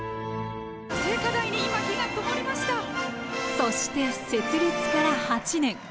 そして設立から８年。